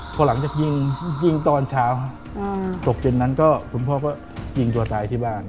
พอหลังจากยิงยิงตอนเช้าตกเย็นนั้นก็คุณพ่อก็ยิงตัวตายที่บ้าน